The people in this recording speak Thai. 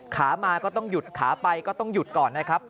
ขามาก็ต้องหยุดขาไปก็ต้องหยุดก่อนนะครับ